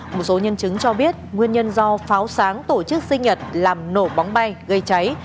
một số nhân chứng cho biết nguyên nhân do pháo sáng tổ chức sinh nhật làm nổ bóng bay gây cháy